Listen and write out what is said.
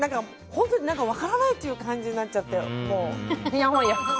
本当に分からないという感じになっちゃって。